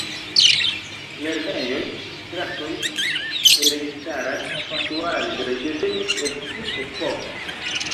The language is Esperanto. Lernejoj, stratoj kaj registaraj konstruaĵoj devenis el tiu epoko.